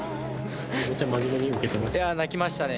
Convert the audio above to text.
めっちゃ真面目に受けてましたね。